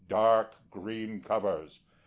Dark green covers.